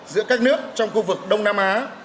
giữa các nước trong khu vực đông nam anh